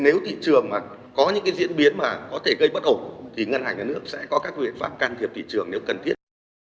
nếu thị trường mà có những cái diễn biến mà có thể gây bất ổn thì ngân hàng nhà nước sẽ có các biện pháp can thiệp thị trường nếu cần thiết